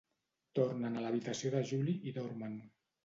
Tornen a l'habitació de Julie i dormen.